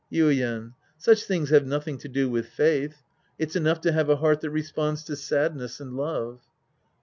Yuien. Such things have nothing to do with faith. It's enough to have a heart that responds to sadness and love.